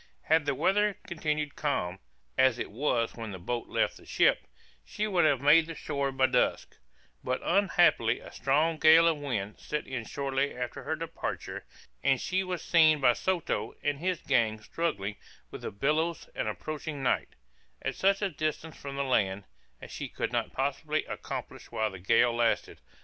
Had the weather continued calm, as it was when the boat left the ship, she would have made the shore by dusk; but unhappily a strong gale of wind set in shortly after her departure, and she was seen by Soto and his gang struggling with the billows and approaching night, at such a distance from the land as she could not possibly accomplish while the gale lasted.